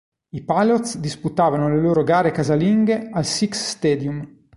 I Pilots disputavano le loro gare casalinghe al Sick's Stadium.